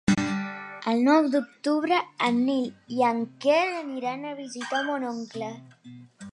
El nou d'octubre en Nil i en Quer aniran a visitar mon oncle.